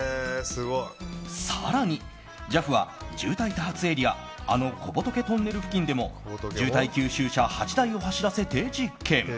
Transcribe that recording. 更にＪＡＦは、渋滞多発エリアあの小仏トンネル付近でも渋滞吸収車８台を走らせて実験。